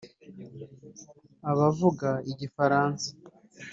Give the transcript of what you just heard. abavuga Igifaransa